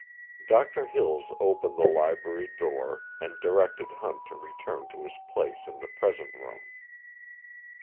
Doctor Hills opened the library door and directed Hunt to return to his place in the present room.